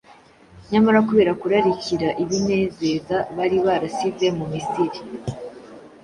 nyamara kubera kurarikira ibinezeza bari barasize mu misiri